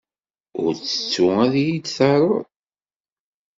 Ur ttettu ad iyi-d-taruḍ.